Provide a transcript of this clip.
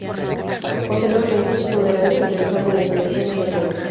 Posteriormente, sus funerales se realizaron en el Cementerio Católico.